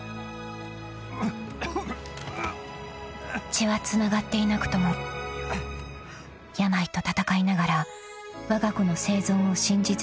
［血はつながっていなくとも病と闘いながらわが子の生存を信じ続けた父］